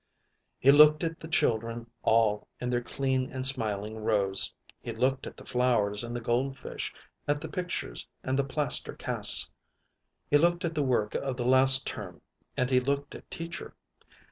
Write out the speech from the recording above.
He looked at the children all in their clean and smiling rows; he looked at the flowers and the gold fish; at the pictures and the plaster casts; he looked at the work of the last term and he looked at Teacher.